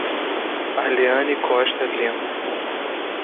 Arleany Costa Lima